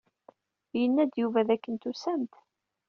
Yenna-d Yuba dakken tusam-d.